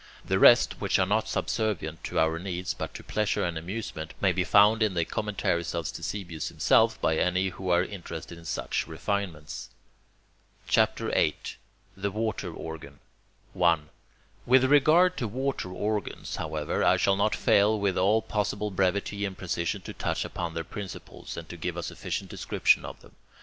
The rest, which are not subservient to our needs, but to pleasure and amusement, may be found in the commentaries of Ctesibius himself by any who are interested in such refinements. CHAPTER VIII THE WATER ORGAN 1. With regard to water organs, however, I shall not fail with all possible brevity and precision to touch upon their principles, and to give a sufficient description of them.